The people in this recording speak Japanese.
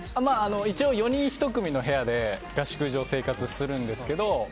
一応４人１組の部屋で生活するんですけど。